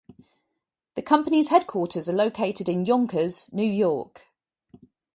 The company's headquarters are located in Yonkers, New York.